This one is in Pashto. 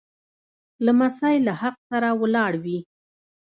لمسی له حق سره ولاړ وي.